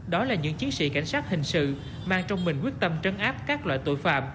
đó là những chiến sĩ cảnh sát hình sự mang trong mình quyết tâm trấn áp các loại tội phạm